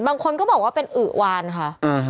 บางคนก็บอกว่าเป็นอือวานค่ะ